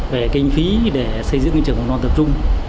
về kinh phí để xây dựng trường mầm non tập trung